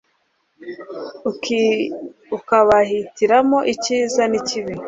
ukabahitiramo icyiza n’ikibi